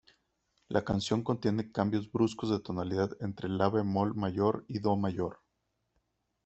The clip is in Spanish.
La canción contiene cambios bruscos de tonalidad entre la bemol mayor y do mayor.